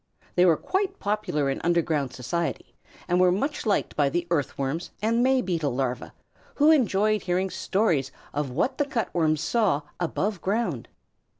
They were quite popular in underground society, and were much liked by the Earthworms and May Beetle larvæ, who enjoyed hearing stories of what the Cut Worms saw above ground.